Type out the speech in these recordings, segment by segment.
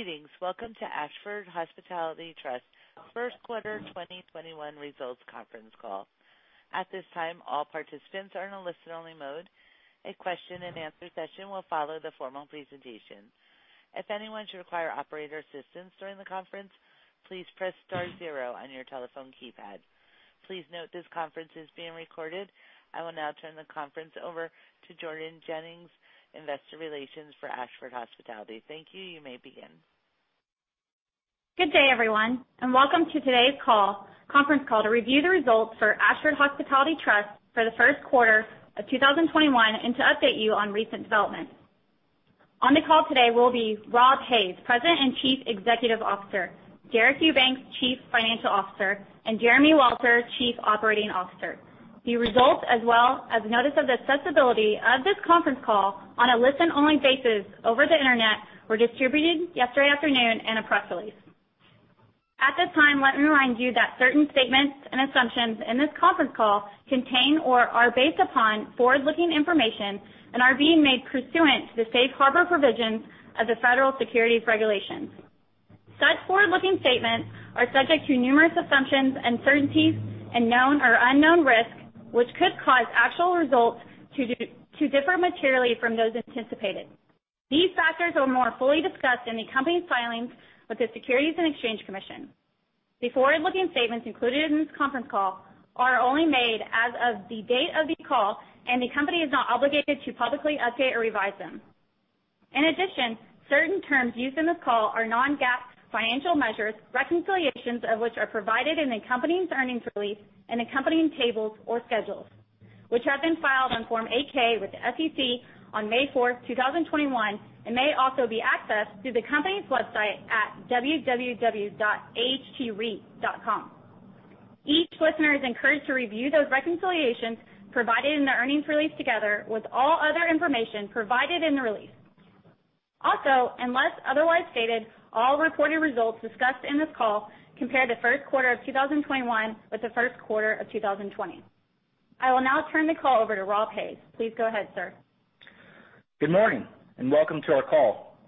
I will now turn the conference over to Jordan Jennings, investor relations for Ashford Hospitality. Thank you. You may begin. Good day, everyone, welcome to today's conference call to review the results for Ashford Hospitality Trust for the first quarter of 2021 and to update you on recent developments. On the call today will be Rob Hays, President and Chief Executive Officer, Deric Eubanks, Chief Financial Officer, and Jeremy Welter, Chief Operating Officer. The results, as well as notice of the accessibility of this conference call on a listen-only basis over the Internet, were distributed yesterday afternoon in a press release. At this time, let me remind you that certain statements and assumptions in this conference call contain or are based upon forward-looking information and are being made pursuant to the safe harbor provisions of the Federal Securities Regulations. Such forward-looking statements are subject to numerous assumptions, uncertainties, and known or unknown risks, which could cause actual results to differ materially from those anticipated. These factors are more fully discussed in the company's filings with the Securities and Exchange Commission. The forward-looking statements included in this conference call are only made as of the date of the call, the company is not obligated to publicly update or revise them. In addition, certain terms used in this call are non-GAAP financial measures, reconciliations of which are provided in the company's earnings release and accompanying tables or schedules, which have been filed on Form 8-K with the SEC on May 4, 2021, and may also be accessed through the company's website at www.ahtreit.com. Each listener is encouraged to review those reconciliations provided in the earnings release together with all other information provided in the release. Unless otherwise stated, all reported results discussed in this call compare the first quarter of 2021 with the first quarter of 2020. I will now turn the call over to Rob Hays. Please go ahead, sir. Good morning. Welcome to our call.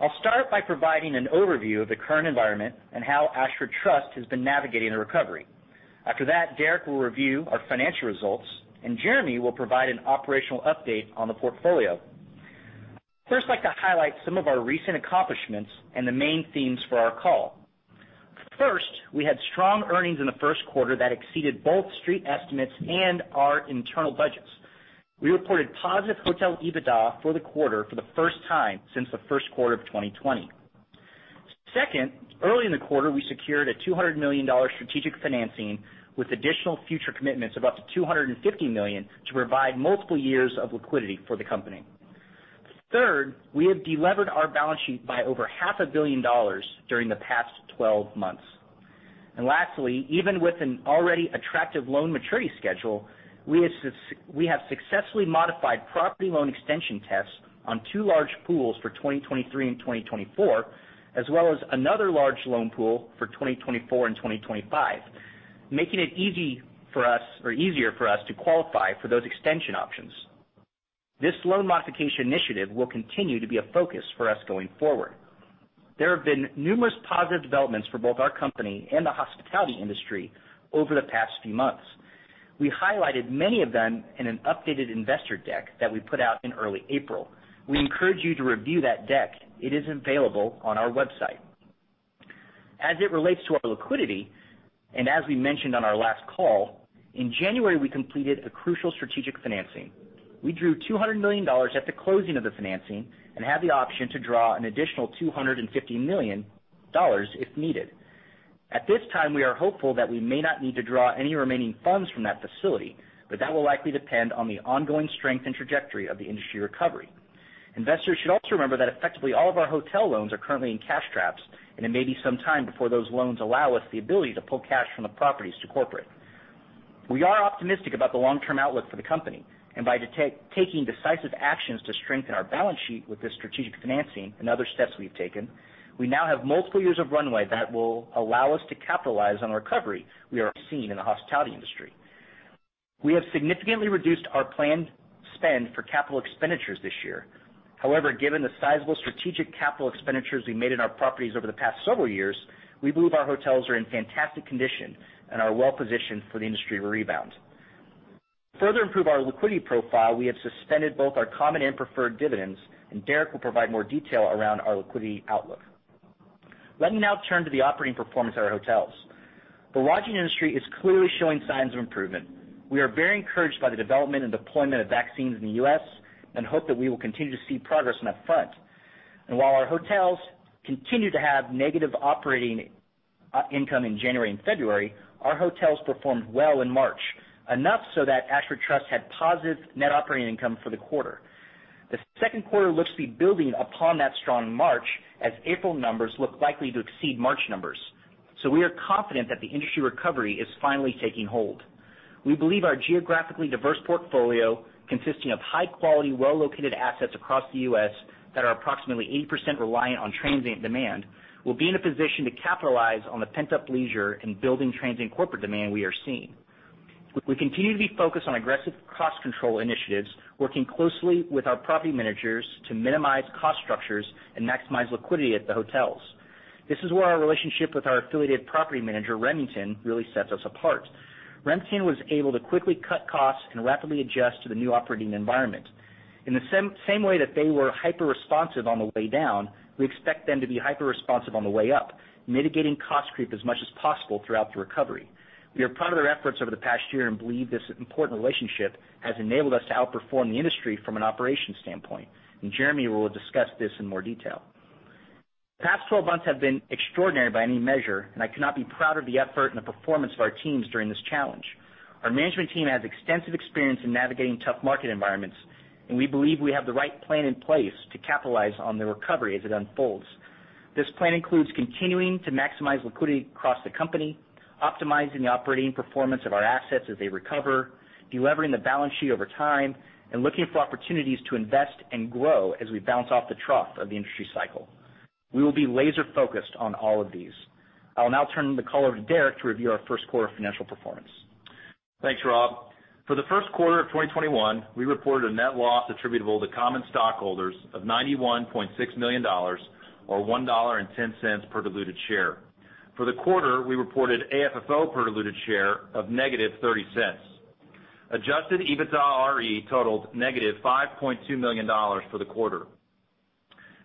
I'll start by providing an overview of the current environment and how Ashford Hospitality Trust has been navigating the recovery. After that, Deric Eubanks will review our financial results, and Jeremy Welter will provide an operational update on the portfolio. First, I'd like to highlight some of our recent accomplishments and the main themes for our call. First, we had strong earnings in the first quarter that exceeded both street estimates and our internal budgets. We reported positive hotel EBITDA for the quarter for the first time since the first quarter of 2020. Second, early in the quarter, we secured a $200 million strategic financing with additional future commitments of up to $250 million to provide multiple years of liquidity for the company. Third, we have de-levered our balance sheet by over half a billion dollars during the past 12 months. Lastly, even with an already attractive loan maturity schedule, we have successfully modified property loan extension tests on two large pools for 2023 and 2024, as well as another large loan pool for 2024 and 2025, making it easy for us, or easier for us to qualify for those extension options. This loan modification initiative will continue to be a focus for us going forward. There have been numerous positive developments for both our company and the hospitality industry over the past few months. We highlighted many of them in an updated investor deck that we put out in early April. We encourage you to review that deck. It is available on our website. As it relates to our liquidity, as we mentioned on our last call, in January, we completed a crucial strategic financing. We drew $200 million at the closing of the financing and have the option to draw an additional $250 million if needed. At this time, we are hopeful that we may not need to draw any remaining funds from that facility, but that will likely depend on the ongoing strength and trajectory of the industry recovery. Investors should also remember that effectively all of our hotel loans are currently in cash traps, and it may be some time before those loans allow us the ability to pull cash from the properties to corporate. We are optimistic about the long-term outlook for the company, and by taking decisive actions to strengthen our balance sheet with this strategic financing and other steps we've taken, we now have multiple years of runway that will allow us to capitalize on the recovery we are seeing in the hospitality industry. We have significantly reduced our planned spend for capital expenditures this year. However, given the sizable strategic capital expenditures we made in our properties over the past several years, we believe our hotels are in fantastic condition and are well-positioned for the industry rebound. To further improve our liquidity profile, we have suspended both our common and preferred dividends. Deric will provide more detail around our liquidity outlook. Let me now turn to the operating performance of our hotels. The lodging industry is clearly showing signs of improvement. We are very encouraged by the development and deployment of vaccines in the U.S. and hope that we will continue to see progress on that front. While our hotels continued to have negative operating income in January and February, our hotels performed well in March, enough so that Ashford Hospitality Trust had positive net operating income for the quarter. The second quarter looks to be building upon that strong March, as April numbers look likely to exceed March numbers. We are confident that the industry recovery is finally taking hold. We believe our geographically diverse portfolio, consisting of high-quality, well-located assets across the U.S. that are approximately 80% reliant on transient demand, will be in a position to capitalize on the pent-up leisure and building transient corporate demand we are seeing. We continue to be focused on aggressive cost control initiatives, working closely with our property managers to minimize cost structures and maximize liquidity at the hotels. This is where our relationship with our affiliated property manager, Remington, really sets us apart. Remington was able to quickly cut costs and rapidly adjust to the new operating environment. In the same way that they were hyper-responsive on the way down, we expect them to be hyper-responsive on the way up, mitigating cost creep as much as possible throughout the recovery. We are proud of their efforts over the past year and believe this important relationship has enabled us to outperform the industry from an operations standpoint, and Jeremy will discuss this in more detail. The past 12 months have been extraordinary by any measure, and I cannot be prouder of the effort and the performance of our teams during this challenge. Our management team has extensive experience in navigating tough market environments, and we believe we have the right plan in place to capitalize on the recovery as it unfolds. This plan includes continuing to maximize liquidity across the company, optimizing the operating performance of our assets as they recover, de-levering the balance sheet over time, and looking for opportunities to invest and grow as we bounce off the trough of the industry cycle. We will be laser-focused on all of these. I will now turn the call over to Deric to review our first quarter financial performance. Thanks, Rob. For the first quarter of 2021, we reported a net loss attributable to common stockholders of $91.6 million, or $1.10 per diluted share. For the quarter, we reported AFFO per diluted share of -$0.30. Adjusted EBITDAre totaled -$5.2 million for the quarter.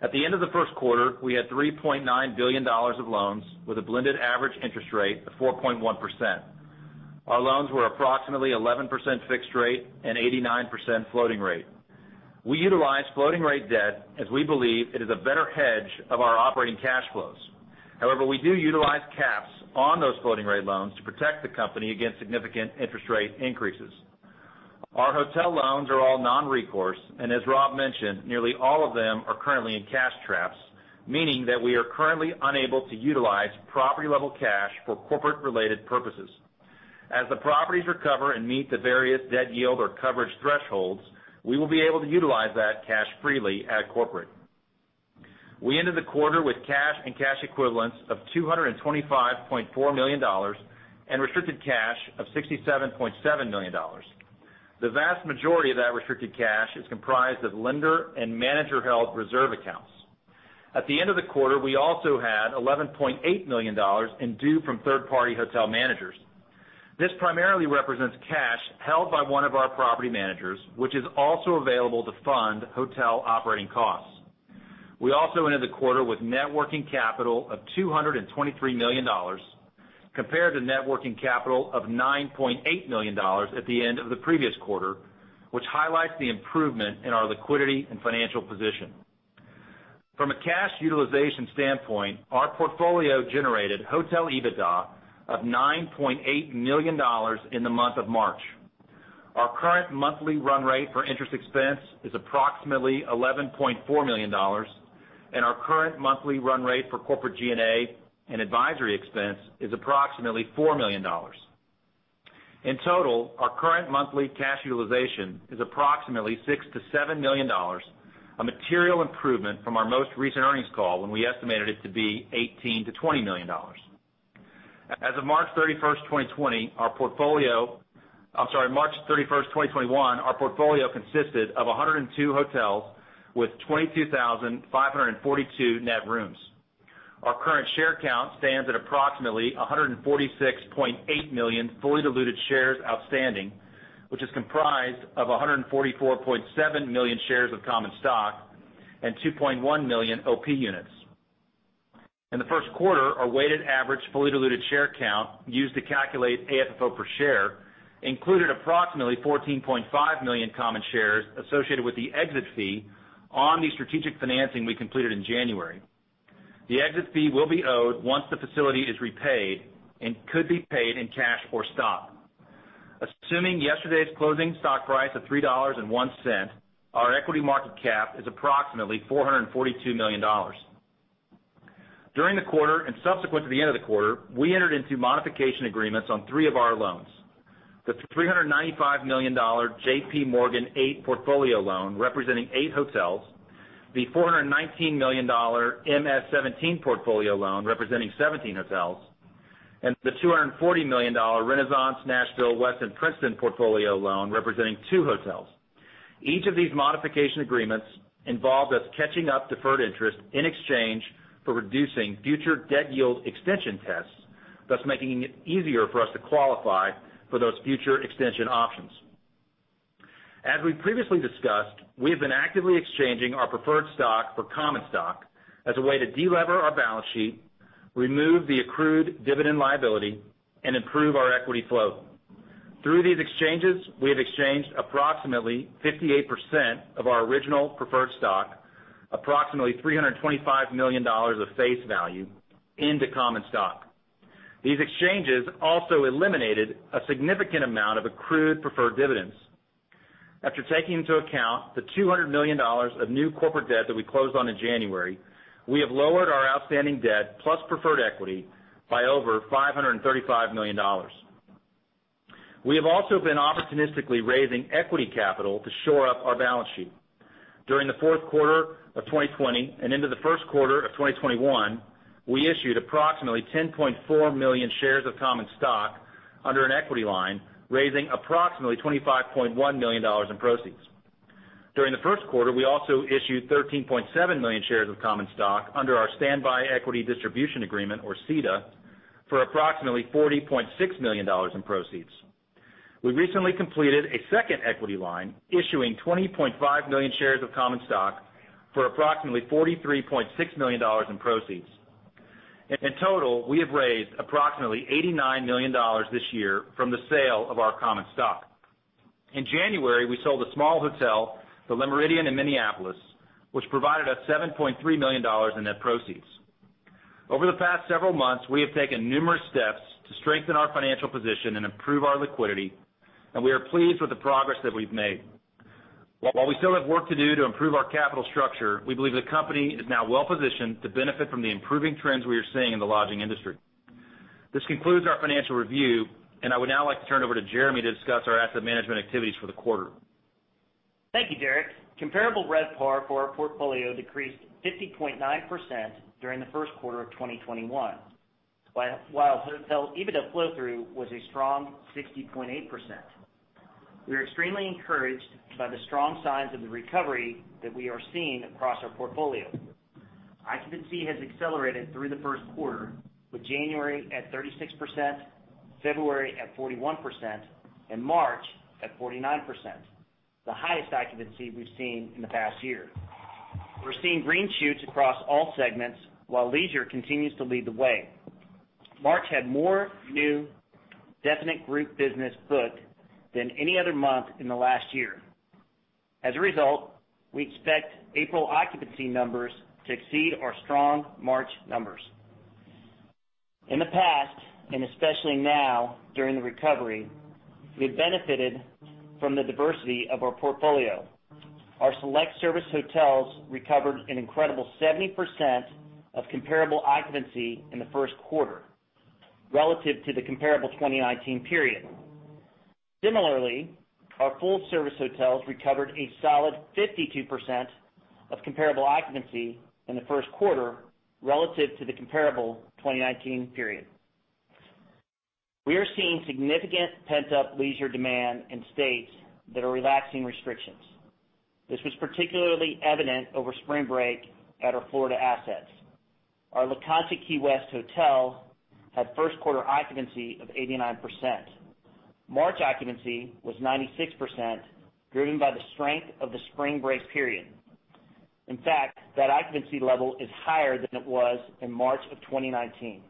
At the end of the first quarter, we had $3.9 billion of loans with a blended average interest rate of 4.1%. Our loans were approximately 11% fixed rate and 89% floating rate. We utilize floating rate debt as we believe it is a better hedge of our operating cash flows. However, we do utilize caps on those floating rate loans to protect the company against significant interest rate increases. Our hotel loans are all non-recourse, as Rob mentioned, nearly all of them are currently in cash traps, meaning that we are currently unable to utilize property-level cash for corporate-related purposes. As the properties recover and meet the various debt yield or coverage thresholds, we will be able to utilize that cash freely at corporate. We ended the quarter with cash and cash equivalents of $225.4 million and restricted cash of $67.7 million. The vast majority of that restricted cash is comprised of lender and manager-held reserve accounts. At the end of the quarter, we also had $11.8 million in due from third-party hotel managers. This primarily represents cash held by one of our property managers, which is also available to fund hotel operating costs. We also ended the quarter with net working capital of $223 million, compared to net working capital of $9.8 million at the end of the previous quarter, which highlights the improvement in our liquidity and financial position. From a cash utilization standpoint, our portfolio generated hotel EBITDA of $9.8 million in the month of March. Our current monthly run rate for interest expense is approximately $11.4 million, and our current monthly run rate for corporate G&A and advisory expense is approximately $4 million. In total, our current monthly cash utilization is approximately $6 million-$7 million, a material improvement from our most recent earnings call when we estimated it to be $18 million-$20 million. As of March 31st, 2021, our portfolio consisted of 102 hotels with 22,542 net rooms. Our current share count stands at approximately 146.8 million fully diluted shares outstanding, which is comprised of 144.7 million shares of common stock and 2.1 million OP Units. In the first quarter, our weighted average fully diluted share count used to calculate AFFO per share included approximately 14.5 million common shares associated with the exit fee on the strategic financing we completed in January. The exit fee will be owed once the facility is repaid and could be paid in cash or stock. Assuming yesterday's closing stock price of $3.01, our equity market cap is approximately $442 million. During the quarter and subsequent to the end of the quarter, we entered into modification agreements on three of our loans. The $395 million JPMorgan 8 portfolio loan, representing eight hotels, the $419 million MS 17 portfolio loan, representing 17 hotels, and the $240 million Renaissance Nashville Westin Princeton portfolio loan, representing two hotels. Each of these modification agreements involved us catching up deferred interest in exchange for reducing future debt yield extension tests, thus making it easier for us to qualify for those future extension options. As we previously discussed, we have been actively exchanging our preferred stock for common stock as a way to de-lever our balance sheet, remove the accrued dividend liability, and improve our equity flow. Through these exchanges, we have exchanged approximately 58% of our original preferred stock, approximately $325 million of face value, into common stock. These exchanges also eliminated a significant amount of accrued preferred dividends. After taking into account the $200 million of new corporate debt that we closed on in January, we have lowered our outstanding debt plus preferred equity by over $535 million. We have also been opportunistically raising equity capital to shore up our balance sheet. During the fourth quarter of 2020 and into the first quarter of 2021, we issued approximately 10.4 million shares of common stock under an equity line, raising approximately $25.1 million in proceeds. During the first quarter, we also issued 13.7 million shares of common stock under our Standby Equity Distribution Agreement, or SEDA, for approximately $40.6 million in proceeds. We recently completed a second equity line, issuing 20.5 million shares of common stock for approximately $43.6 million in proceeds. In total, we have raised approximately $89 million this year from the sale of our common stock. In January, we sold a small hotel, the Le Méridien in Minneapolis, which provided us $7.3 million in net proceeds. Over the past several months, we have taken numerous steps to strengthen our financial position and improve our liquidity, and we are pleased with the progress that we've made. While we still have work to do to improve our capital structure, we believe the company is now well-positioned to benefit from the improving trends we are seeing in the lodging industry. This concludes our financial review, and I would now like to turn it over to Jeremy to discuss our asset management activities for the quarter. Thank you, Deric. Comparable RevPAR for our portfolio decreased 50.9% during the first quarter of 2021, while hotel EBITDA flow-through was a strong 60.8%. We are extremely encouraged by the strong signs of the recovery that we are seeing across our portfolio. Occupancy has accelerated through the first quarter, with January at 36%, February at 41%, and March at 49%, the highest occupancy we've seen in the past year. We're seeing green shoots across all segments, while leisure continues to lead the way. March had more new definite group business booked than any other month in the last year. As a result, we expect April occupancy numbers to exceed our strong March numbers. In the past, and especially now during the recovery, we've benefited from the diversity of our portfolio. Our select service hotels recovered an incredible 70% of comparable occupancy in the first quarter relative to the comparable 2019 period. Similarly, our full-service hotels recovered a solid 52% of comparable occupancy in the first quarter relative to the comparable 2019 period. We are seeing significant pent-up leisure demand in states that are relaxing restrictions. This was particularly evident over spring break at our Florida assets. Our La Concha Key West hotel had first quarter occupancy of 89%. March occupancy was 96%, driven by the strength of the spring break period. In fact, that occupancy level is higher than it was in March of 2019.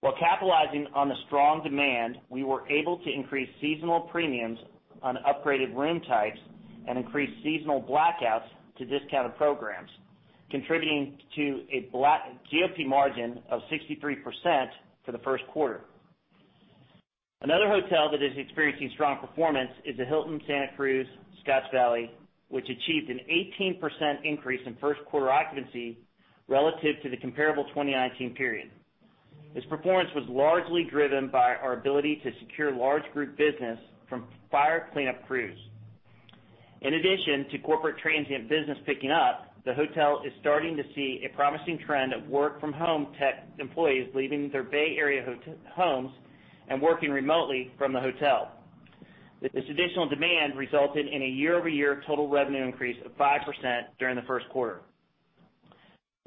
While capitalizing on the strong demand, we were able to increase seasonal premiums on upgraded room types and increase seasonal blackouts to discounted programs, contributing to a GOP margin of 63% for the first quarter. Another hotel that is experiencing strong performance is the Hilton Santa Cruz/Scotts Valley, which achieved an 18% increase in first quarter occupancy relative to the comparable 2019 period. This performance was largely driven by our ability to secure large group business from fire cleanup crews. In addition to corporate transient business picking up, the hotel is starting to see a promising trend of work from home tech employees leaving their Bay Area homes and working remotely from the hotel. This additional demand resulted in a year-over-year total revenue increase of 5% during the first quarter.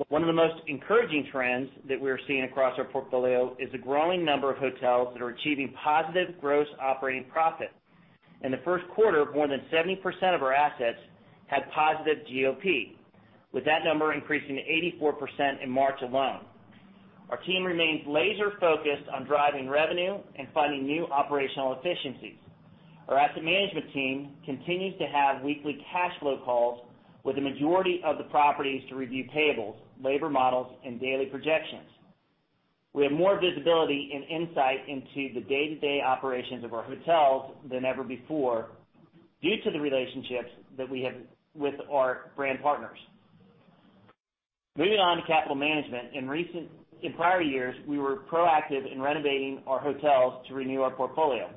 One of the most encouraging trends that we're seeing across our portfolio is the growing number of hotels that are achieving positive gross operating profit. In the first quarter, more than 70% of our assets had positive GOP, with that number increasing to 84% in March alone. Our team remains laser-focused on driving revenue and finding new operational efficiencies. Our asset management team continues to have weekly cash flow calls with the majority of the properties to review payables, labor models, and daily projections. We have more visibility and insight into the day-to-day operations of our hotels than ever before due to the relationships that we have with our brand partners. Moving on to capital management. In prior years, we were proactive in renovating our hotels to renew our portfolio.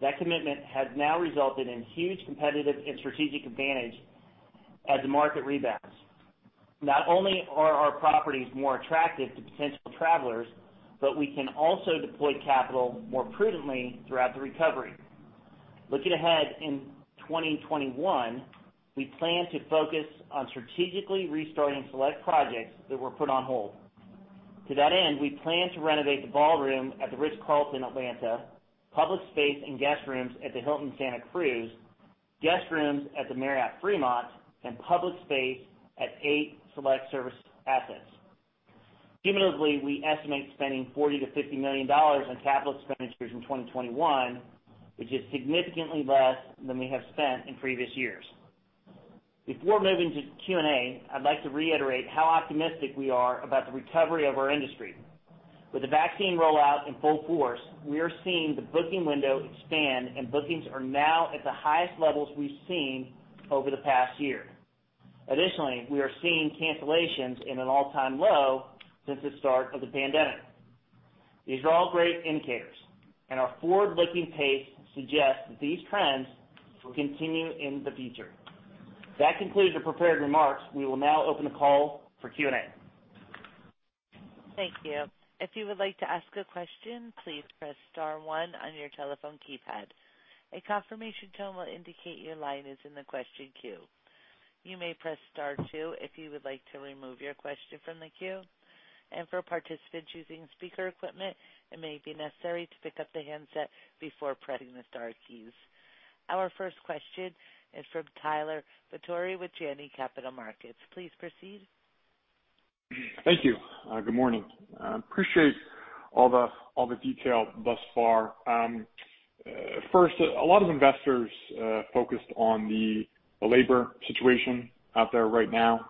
That commitment has now resulted in huge competitive and strategic advantage as the market rebounds. Not only are our properties more attractive to potential travelers, but we can also deploy capital more prudently throughout the recovery. Looking ahead in 2021, we plan to focus on strategically restarting select projects that were put on hold. To that end, we plan to renovate the ballroom at The Ritz-Carlton, Atlanta, public space and guest rooms at the Hilton Santa Cruz/Scotts Valley, guest rooms at the Fremont Marriott Silicon Valley, and public space at eight select service assets. Cumulatively, we estimate spending $40 million-$50 million in capital expenditures in 2021, which is significantly less than we have spent in previous years. Before moving to Q&A, I'd like to reiterate how optimistic we are about the recovery of our industry. With the vaccine rollout in full force, we are seeing the booking window expand, and bookings are now at the highest levels we've seen over the past year. Additionally, we are seeing cancellations in an all-time low since the start of the pandemic. These are all great indicators, and our forward-looking pace suggests that these trends will continue in the future. That concludes the prepared remarks. We will now open the call for Q&A. Thank you. If you would like to ask a question, please press star one on your telephone keypad. A confirmation tone will indicate your line is in the question queue. You may press star two if you would like to remove your question from the queue. For participants using speaker equipment, it may be necessary to pick up the handset before pressing the star keys. Our first question is from Tyler Batory with Janney Montgomery Scott. Please proceed. Thank you. Good morning. Appreciate all the detail thus far. A lot of investors focused on the labor situation out there right now,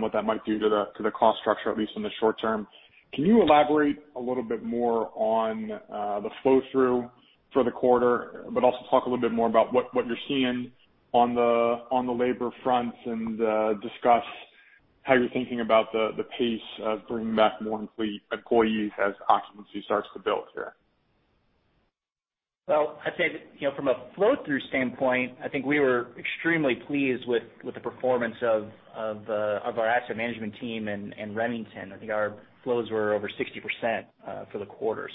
what that might do to the cost structure, at least in the short term. Can you elaborate a little bit more on the flow-through for the quarter, but also talk a little bit more about what you're seeing on the labor front and discuss how you're thinking about the pace of bringing back more employees as occupancy starts to build here? I'd say that from a flow-through standpoint, I think we were extremely pleased with the performance of our asset management team and Remington. I think our flows were over 60% for the quarter.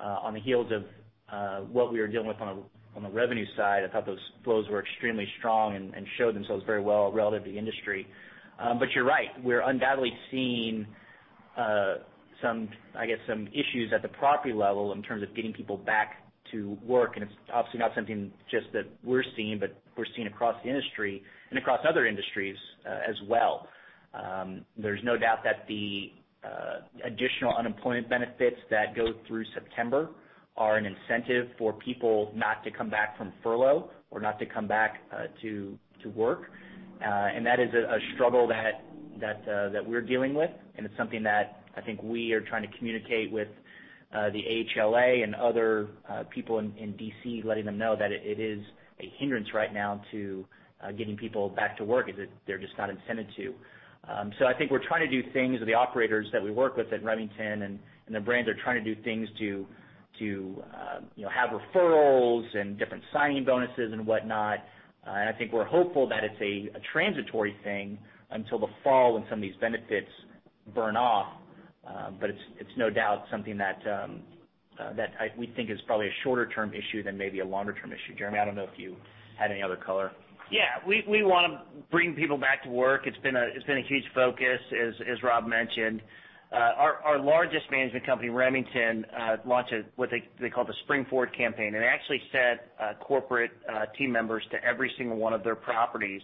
On the heels of what we were dealing with on the revenue side, I thought those flows were extremely strong, and showed themselves very well relative to industry. You're right. We're undoubtedly seeing some issues at the property level in terms of getting people back to work, and it's obviously not something just that we're seeing, but we're seeing across the industry and across other industries as well. There's no doubt that the additional unemployment benefits that go through September are an incentive for people not to come back from furlough or not to come back to work. That is a struggle that we're dealing with, and it's something that I think we are trying to communicate with the AHLA and other people in D.C., letting them know that it is a hindrance right now to getting people back to work, as if they're just not incented to. I think we're trying to do things with the operators that we work with at Remington, and the brands are trying to do things to have referrals and different signing bonuses and whatnot. I think we're hopeful that it's a transitory thing until the fall, when some of these benefits burn off. It's no doubt something that we think is probably a shorter-term issue than maybe a longer-term issue. Jeremy, I don't know if you had any other color. We want to bring people back to work. It's been a huge focus, as Rob mentioned. Our largest management company, Remington, launched what they call the Spring Forward campaign, they actually sent corporate team members to every single one of their properties,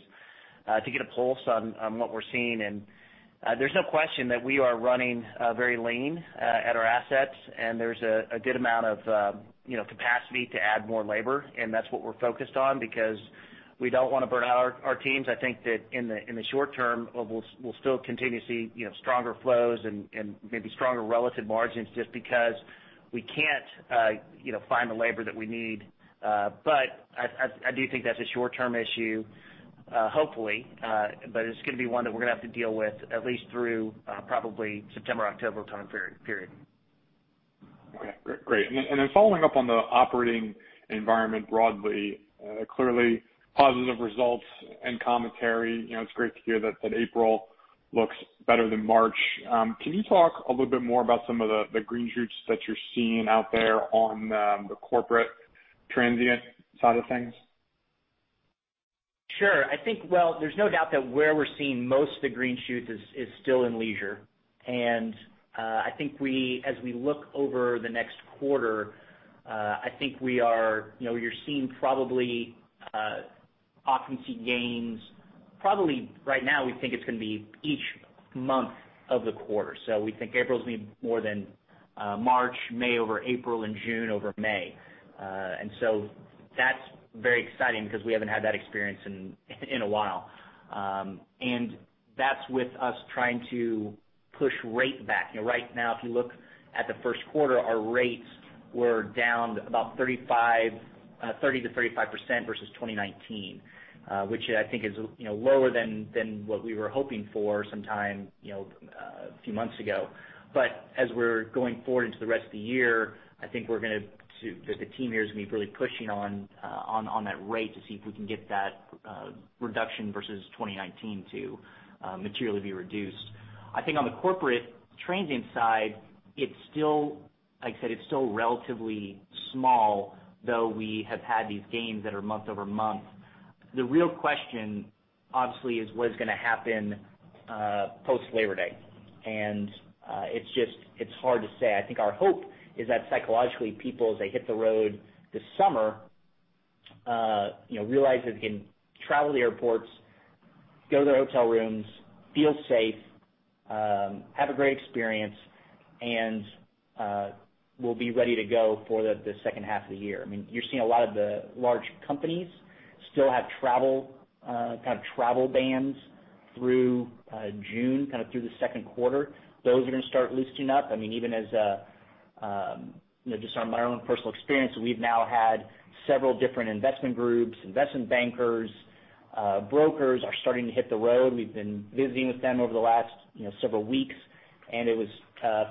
to get a pulse on what we're seeing. There's no question that we are running very lean at our assets, and there's a good amount of capacity to add more labor, and that's what we're focused on, because we don't want to burn out our teams. I think that in the short term, we'll still continue to see stronger flows and maybe stronger relative margins just because we can't find the labor that we need. I do think that's a short-term issue, hopefully. It's going to be one that we're going to have to deal with at least through probably September, October time period. Okay. Great. Following up on the operating environment broadly, clearly positive results and commentary. It's great to hear that April looks better than March. Can you talk a little bit more about some of the green shoots that you're seeing out there on the corporate transient side of things? Sure. I think, well, there's no doubt that where we're seeing most of the green shoots is still in leisure. I think as we look over the next quarter, I think you're seeing probably occupancy gains, probably right now, we think it's going to be each month of the quarter. We think April's going to be more than March, May over April, and June over May. That's very exciting because we haven't had that experience in a while. That's with us trying to push rate back. Right now, if you look at the first quarter, our rates were down about 30%-35% versus 2019, which I think is lower than what we were hoping for sometime a few months ago. As we're going forward into the rest of the year, I think that the team here is going to be really pushing on that rate to see if we can get that reduction versus 2019 to materially be reduced. I think on the corporate transient side, like I said, it's still relatively small, though we have had these gains that are month-over-month. The real question, obviously, is what is going to happen post-Labor Day? It's hard to say. I think our hope is that psychologically, people, as they hit the road this summer, realize that they can travel to the airports, go to their hotel rooms, feel safe, have a great experience, and we'll be ready to go for the second half of the year. You're seeing a lot of the large companies still have travel bans through June, kind of through the second quarter. Those are going to start loosening up. Even as just on my own personal experience, we've now had several different investment groups, investment bankers, brokers are starting to hit the road. We've been visiting with them over the last several weeks, and it was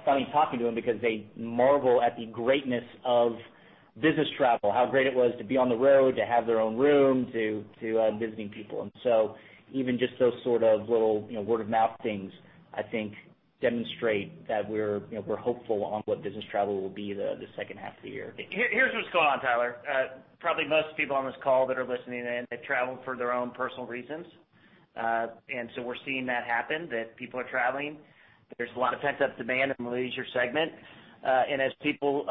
funny talking to them because they marvel at the greatness of business travel, how great it was to be on the road, to have their own room, to visiting people. Even just those sort of little word of mouth things, I think, demonstrate that we're hopeful on what business travel will be the second half of the year. Here's what's going on, Tyler. Probably most people on this call that are listening in have traveled for their own personal reasons. We're seeing that happen, that people are traveling. There's a lot of pent-up demand in the leisure segment. As people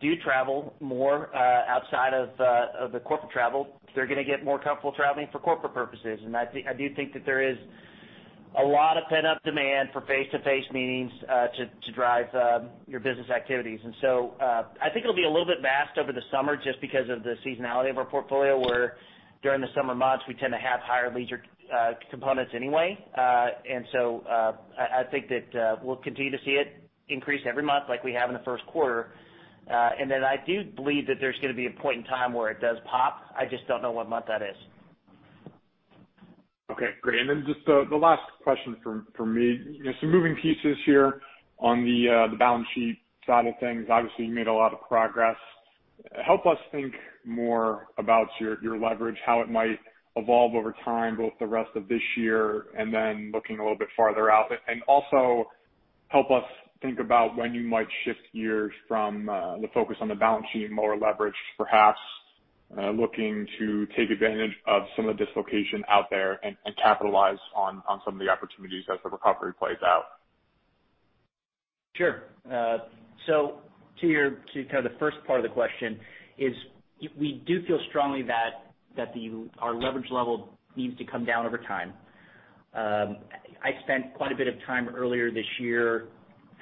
do travel more outside of the corporate travel, they're going to get more comfortable traveling for corporate purposes. I do think that there is a lot of pent-up demand for face-to-face meetings to drive your business activities. I think it'll be a little bit fast over the summer just because of the seasonality of our portfolio, where during the summer months, we tend to have higher leisure components anyway. I think that we'll continue to see it increase every month like we have in the first quarter. I do believe that there's going to be a point in time where it does pop. I just don't know what month that is. Okay, great. Then just the last question from me. Some moving pieces here on the balance sheet side of things. Obviously, you made a lot of progress. Help us think more about your leverage, how it might evolve over time, both the rest of this year and then looking a little bit farther out. Also help us think about when you might shift gears from the focus on the balance sheet and lower leverage, perhaps looking to take advantage of some of the dislocation out there and capitalize on some of the opportunities as the recovery plays out. Sure. To kind of the first part of the question is, we do feel strongly that our leverage level needs to come down over time. I spent quite a bit of time earlier this year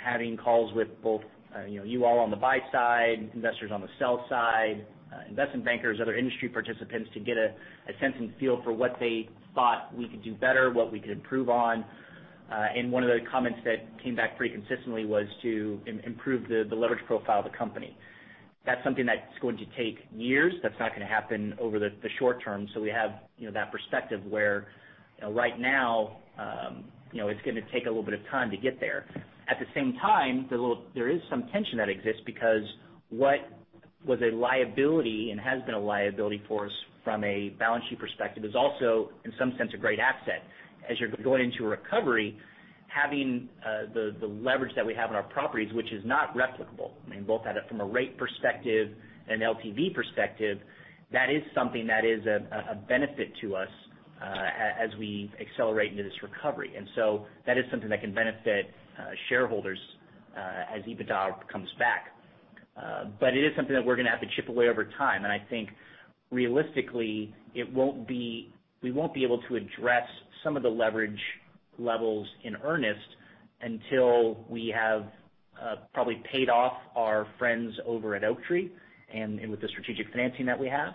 having calls with both you all on the buy side, investors on the sell side, investment bankers, other industry participants, to get a sense and feel for what they thought we could do better, what we could improve on. One of the comments that came back pretty consistently was to improve the leverage profile of the company. That's something that's going to take years. That's not going to happen over the short term. We have that perspective where right now it's going to take a little bit of time to get there. At the same time, there is some tension that exists because what was a liability and has been a liability for us from a balance sheet perspective is also, in some sense, a great asset. As you're going into a recovery, having the leverage that we have in our properties, which is not replicable, both at it from a rate perspective and LTV perspective, that is something that is a benefit to us as we accelerate into this recovery. That is something that can benefit shareholders as EBITDA comes back. It is something that we're going to have to chip away over time, and I think realistically, we won't be able to address some of the leverage levels in earnest until we have probably paid off our friends over at Oaktree and with the strategic financing that we have.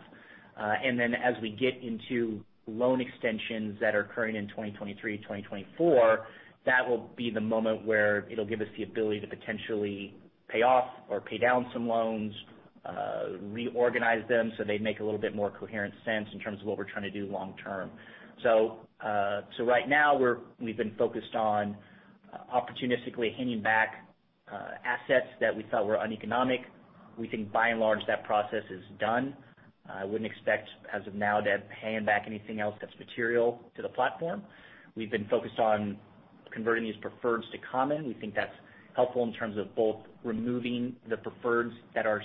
As we get into loan extensions that are occurring in 2023, 2024, that will be the moment where it'll give us the ability to potentially pay off or pay down some loans, reorganize them so they make a little bit more coherent sense in terms of what we're trying to do long term. Right now we've been focused on opportunistically handing back assets that we felt were uneconomic. We think by and large, that process is done. I wouldn't expect as of now to hand back anything else that's material to the platform. We've been focused on converting these preferreds to common. We think that's helpful in terms of both removing the preferreds that are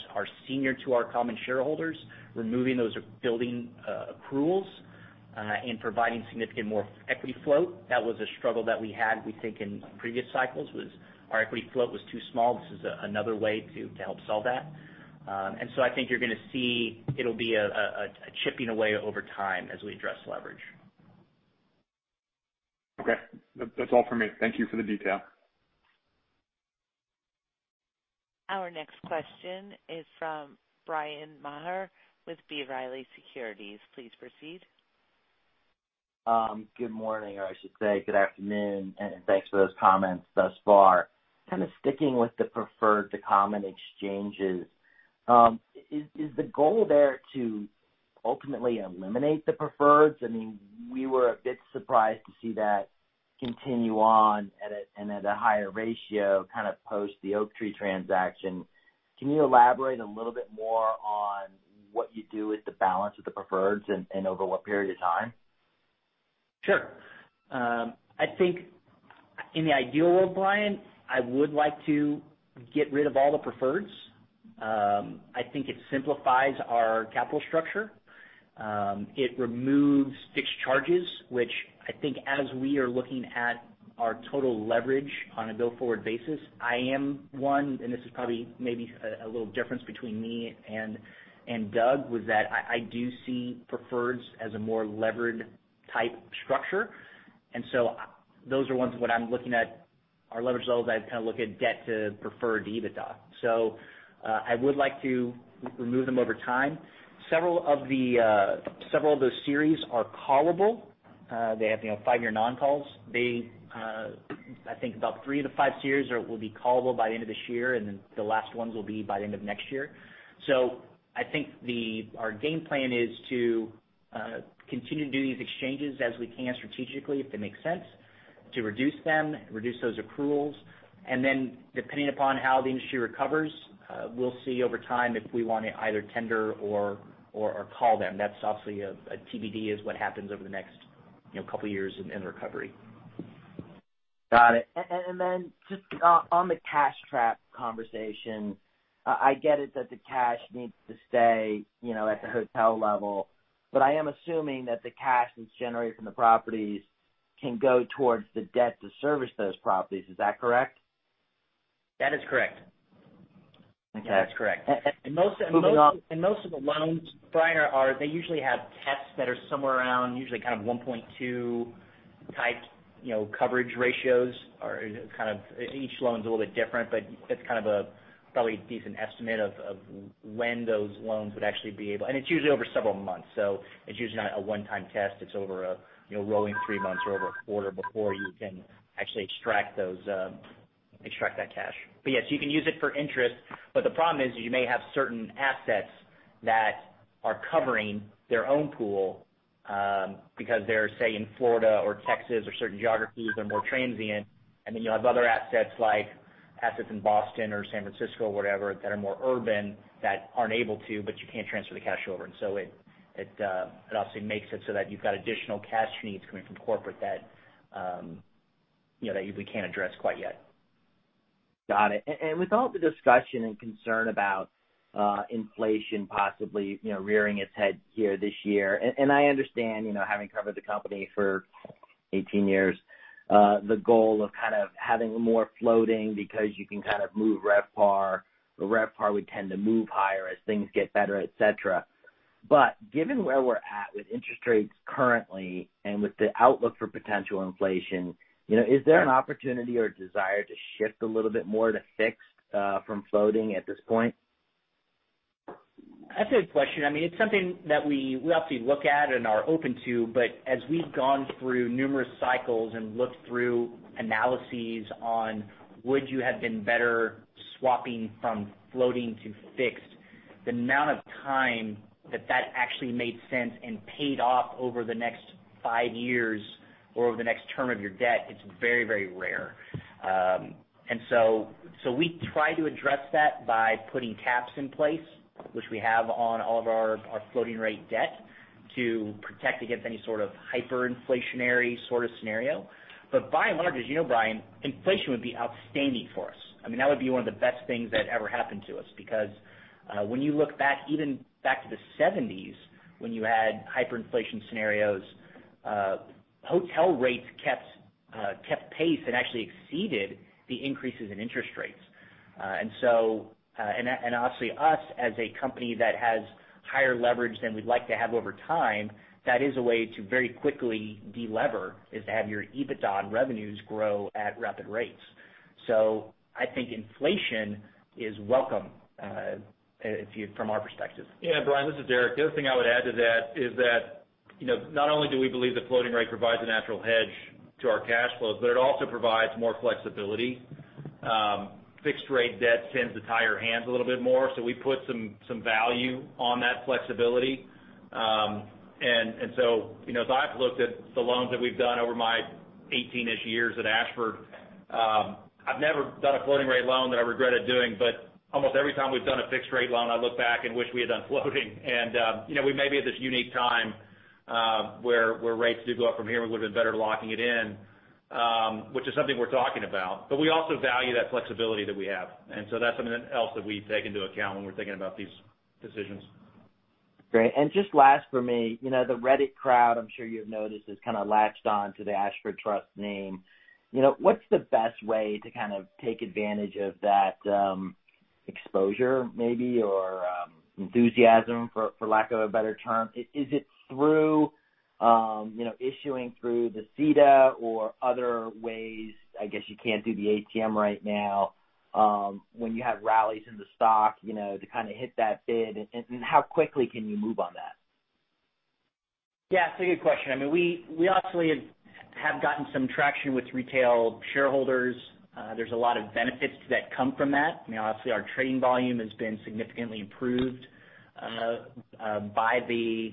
senior to our common shareholders, removing those building accruals, and providing significant more equity float. That was a struggle that we had, we think, in previous cycles, was our equity float was too small. This is another way to help solve that. I think you're going to see it'll be a chipping away over time as we address leverage. Okay. That's all for me. Thank you for the detail. Our next question is from Bryan Maher with B. Riley Securities. Please proceed. Good morning, or I should say good afternoon. Thanks for those comments thus far. Kind of sticking with the preferred to common exchanges. Is the goal there to ultimately eliminate the preferreds? We were a bit surprised to see that continue on and at a higher ratio kind of post the Oaktree transaction. Can you elaborate a little bit more on what you do with the balance of the preferreds and over what period of time? Sure. I think in the ideal world, Bryan Maher, I would like to get rid of all the preferreds. I think it simplifies our capital structure. It removes fixed charges, which I think as we are looking at our total leverage on a go-forward basis, I am one, and this is probably maybe a little difference between me and Doug, was that I do see preferreds as a more levered type structure. Those are ones when I'm looking at our leverage levels, I kind of look at debt to preferred to EBITDA. I would like to remove them over time. Several of those series are callable. They have five-year non-calls. I think about three to five years will be callable by the end of this year, and then the last ones will be by the end of next year. I think our game plan is to continue to do these exchanges as we can strategically, if they make sense, to reduce them, reduce those accruals, and then depending upon how the industry recovers, we'll see over time if we want to either tender or call them. That's obviously a TBD is what happens over the next couple of years in the recovery. Got it. Just on the cash trap conversation, I get it that the cash needs to stay at the hotel level, but I am assuming that the cash that is generated from the properties can go towards the debt to service those properties. Is that correct? That is correct. Okay. That's correct. Most of the loans, Bryan, are they usually have tests that are somewhere around usually kind of 1.2 type coverage ratios. Each loan's a little bit different, but it's kind of a probably decent estimate of when those loans would actually be able It's usually over several months, so it's usually not a one-time test. It's over a rolling three months or over a quarter before you can actually extract that cash. Yes, you can use it for interest. The problem is you may have certain assets that are covering their own pool, because they're, say, in Florida or Texas or certain geographies that are more transient, and then you'll have other assets like assets in Boston or San Francisco or whatever, that are more urban that aren't able to, but you can't transfer the cash over. It obviously makes it so that you've got additional cash needs coming from corporate that we can't address quite yet. Got it. With all the discussion and concern about inflation possibly rearing its head here this year, and I understand, having covered the company for 18 years, the goal of kind of having more floating because you can kind of move RevPAR. The RevPAR would tend to move higher as things get better, et cetera. Given where we're at with interest rates currently and with the outlook for potential inflation, is there an opportunity or desire to shift a little bit more to fixed from floating at this point? That's a good question. It's something that we obviously look at and are open to, but as we've gone through numerous cycles and looked through analyses on would you have been better swapping from floating to fixed, the amount of time that that actually made sense and paid off over the next five years or over the next term of your debt, it's very rare. We try to address that by putting caps in place, which we have on all of our floating rate debt to protect against any sort of hyperinflationary sort of scenario. By and large, as you know, Bryan, inflation would be outstanding for us. That would be one of the best things that ever happened to us, because when you look back, even back to the '70s, when you had hyperinflation scenarios, hotel rates kept pace and actually exceeded the increases in interest rates. Obviously us as a company that has higher leverage than we'd like to have over time, that is a way to very quickly de-lever, is to have your EBITDA and revenues grow at rapid rates. I think inflation is welcome from our perspective. Yeah, Bryan, this is Deric. The other thing I would add to that is that, not only do we believe the floating rate provides a natural hedge to our cash flows, but it also provides more flexibility. Fixed rate debt tends to tie your hands a little bit more, we put some value on that flexibility. As I've looked at the loans that we've done over my 18-ish years at Ashford, I've never done a floating rate loan that I regretted doing. Almost every time we've done a fixed rate loan, I look back and wish we had done floating. We may be at this unique time, where rates do go up from here, we would have been better locking it in, which is something we're talking about. We also value that flexibility that we have, and so that's something else that we take into account when we're thinking about these decisions. Great. Just last for me, the Reddit crowd, I'm sure you've noticed, has kind of latched on to the Ashford Trust name. What's the best way to kind of take advantage of that exposure maybe, or enthusiasm, for lack of a better term? Is it through issuing through the SEDA or other ways, I guess you can't do the ATM right now, when you have rallies in the stock to kind of hit that bid? How quickly can you move on that? Yeah, it's a good question. We obviously have gotten some traction with retail shareholders. There's a lot of benefits that come from that. Obviously, our trading volume has been significantly improved by the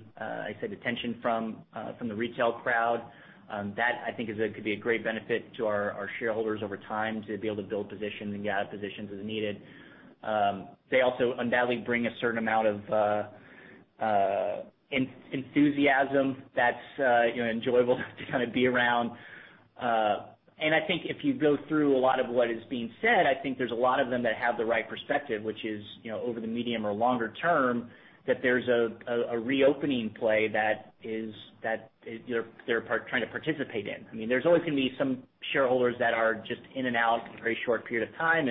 attention from the retail crowd. That I think could be a great benefit to our shareholders over time to be able to build positions and get out of positions as needed. They also undoubtedly bring a certain amount of enthusiasm that's enjoyable to kind of be around. I think if you go through a lot of what is being said, I think there's a lot of them that have the right perspective, which is, over the medium or longer term, that there's a reopening play that they're trying to participate in. There's always going to be some shareholders that are just in and out in a very short period of time,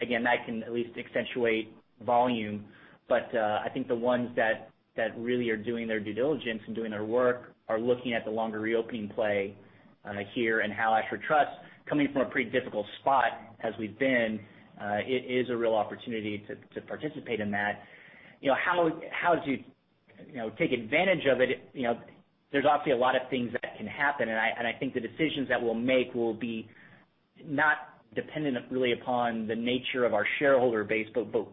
again, that can at least accentuate volume. I think the ones that really are doing their due diligence and doing their work are looking at the longer reopening play here and how Ashford Trust, coming from a pretty difficult spot as we've been, it is a real opportunity to participate in that. How do you take advantage of it? There's obviously a lot of things that can happen, I think the decisions that we'll make will be not dependent really upon the nature of our shareholder base,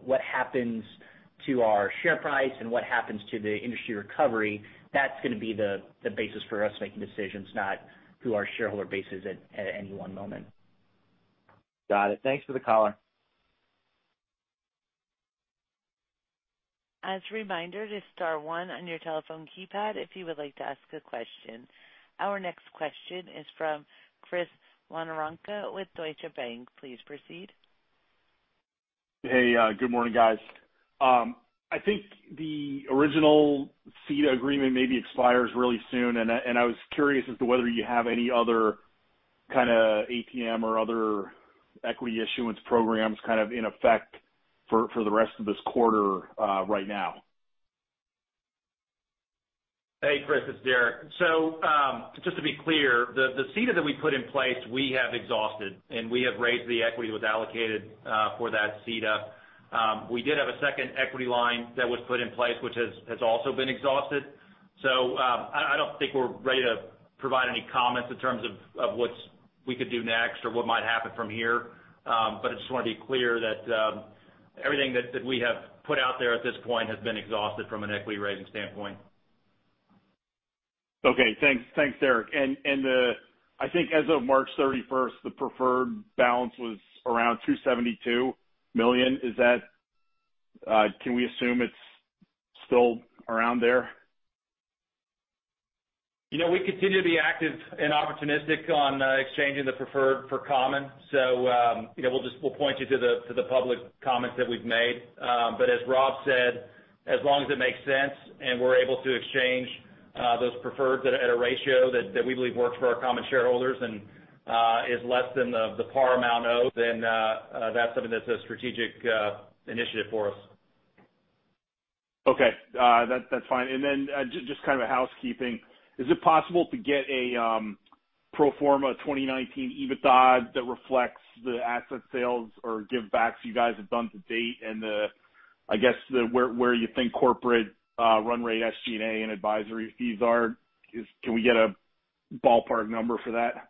what happens to our share price and what happens to the industry recovery. That's going to be the basis for us making decisions, not who our shareholder base is at any one moment. Got it. Thanks for the color. As a reminder, it is star one on your telephone keypad if you would like to ask a question. Our next question is from Chris Woronka with Deutsche Bank. Please proceed. Hey, good morning, guys. I think the original SEDA agreement maybe expires really soon. I was curious as to whether you have any other kind of ATM or other equity issuance programs kind of in effect for the rest of this quarter right now. Hey, Chris Woronka. It's Deric. Just to be clear, the SEDA that we put in place, we have exhausted, and we have raised the equity that was allocated for that SEDA. We did have a second equity line that was put in place, which has also been exhausted. I don't think we're ready to provide any comments in terms of what we could do next or what might happen from here. I just want to be clear that everything that we have put out there at this point has been exhausted from an equity raising standpoint. Okay. Thanks, Deric. I think as of March 31st, the preferred balance was around $272 million. Can we assume it's still around there? We continue to be active and opportunistic on exchanging the preferred for common. We'll point you to the public comments that we've made. As Rob said, as long as it makes sense and we're able to exchange those preferred at a ratio that we believe works for our common shareholders and is less than the par amount owed, then that's something that's a strategic initiative for us. Okay. That's fine. Then just kind of a housekeeping. Is it possible to get a pro forma 2019 EBITDA that reflects the asset sales or give backs you guys have done to date and I guess, where you think corporate run rate SG&A and advisory fees are? Can we get a ballpark number for that?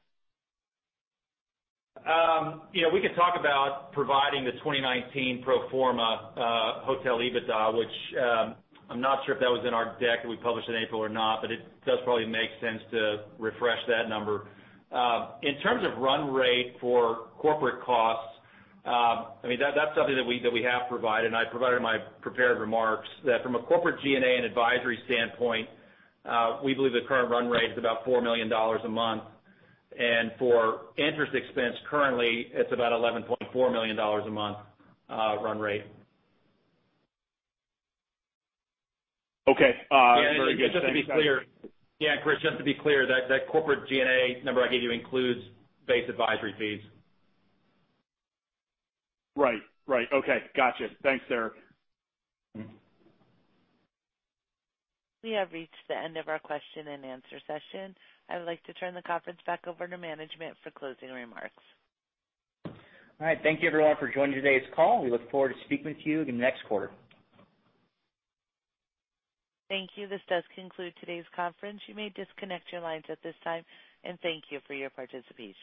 We can talk about providing the 2019 pro forma hotel EBITDA, which I'm not sure if that was in our deck that we published in April or not, but it does probably make sense to refresh that number. In terms of run rate for corporate costs, that's something that we have provided, and I provided in my prepared remarks. That from a corporate G&A and advisory standpoint, we believe the current run rate is about $4 million a month. For interest expense, currently, it's about $11.4 million a month run rate. Okay. Very good. Thanks, guys. Yeah, Chris, just to be clear, that corporate G&A number I gave you includes base advisory fees. Right. Okay. Gotcha. Thanks, Deric. We have reached the end of our question and answer session. I would like to turn the conference back over to management for closing remarks. All right. Thank you everyone for joining today's call. We look forward to speaking with you in the next quarter. Thank you. This does conclude today's conference. You may disconnect your lines at this time, and thank you for your participation.